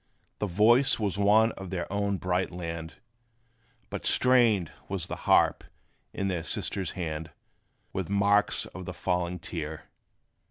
The voice was one of their own bright land; But stained was the harp in their sister's hand, With marks of the falling tear.